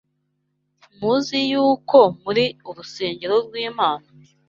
Ntimuzi yuko muri urusengero rw’Imana